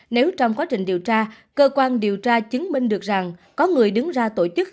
nếu trong quá trình điều tra cơ quan điều tra chứng minh được rằng có người đứng ra tổ chức